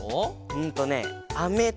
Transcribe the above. うんとねアメと。